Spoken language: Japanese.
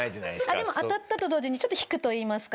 でも当たったと同時にちょっと引くといいますか。